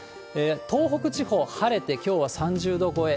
東北地方、晴れてきょうは３０度超え。